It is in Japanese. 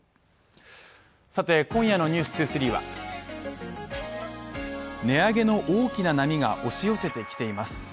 今夜の「ｎｅｗｓ２３」は値上げの大きな波が押し寄せてきています。